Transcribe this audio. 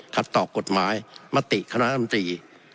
ต่อกฎหมายมติคณะลำตรี